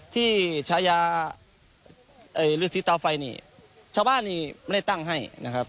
ที่ชายาฤษีตาไฟนี่ชาวบ้านนี่ไม่ได้ตั้งให้นะครับ